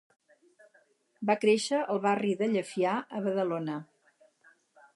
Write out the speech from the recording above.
Va créixer al barri de Llefià, a Badalona.